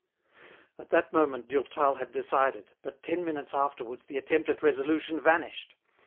At that moment Durtal had decided, but ten minutes afterwards the attempt at resolution vanished.